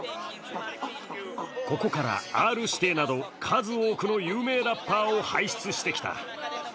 ここから、Ｒ‐指定など数多くの有名ラッパーを輩出してきた。